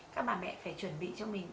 các bà mẹ phải chuẩn bị cho mình